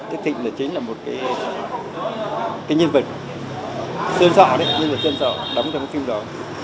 đức thịnh là chính là một cái nhân vật sơn sọ đấy nhân vật sơn sọ đóng trong cái phim đó